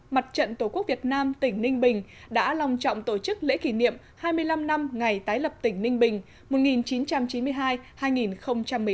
mặt trận tổ quốc việt nam tỉnh ninh bình đã lòng trọng tổ chức lễ kỷ niệm hai mươi năm năm ngày tái lập tỉnh ninh bình một nghìn chín trăm chín mươi hai hai nghìn một mươi chín